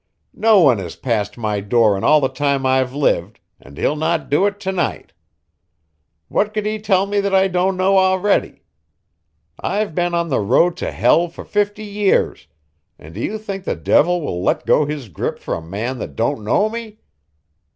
Not one has passed my door in all the time I've lived, and he'll not do it to night. What could he tell me that I don't know already? I've been on the road to hell for fifty years, and do you think the devil will let go his grip for a man that don't know me?